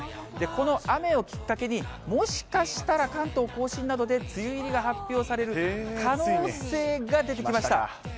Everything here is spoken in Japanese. この雨をきっかけに、もしかしたら関東甲信などで梅雨入りが発表される可能性が出てきました。